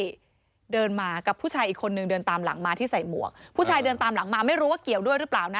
ที่เดินมากับผู้ชายอีกคนนึงเดินตามหลังมาที่ใส่หมวกผู้ชายเดินตามหลังมาไม่รู้ว่าเกี่ยวด้วยหรือเปล่านะ